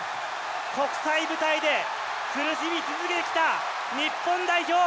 国際舞台で苦しみ続けてきた日本代表。